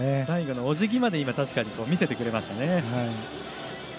最後のおじぎまで確かに見せてくれましたね。